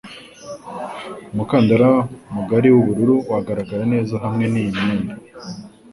Umukandara mugari w'uruhu wagaragara neza hamwe niyi myenda.